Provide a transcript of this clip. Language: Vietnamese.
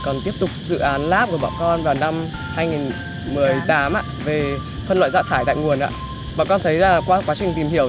của bọn con vào năm hai nghìn một mươi tám về phân loại rác thải tại nguồn bọn con thấy là qua quá trình tìm hiểu